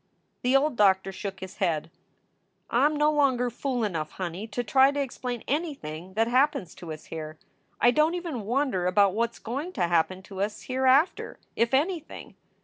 The old doctor shook his head: "I m no longer fool enough, honey, to try to explain anything that happens to us here. I don t even wonder about what s going to happen to us hereafter, if anything.